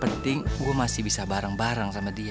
penting gue masih bisa bareng bareng sama dia